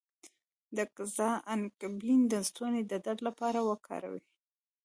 د ګز انګبین د ستوني د درد لپاره وکاروئ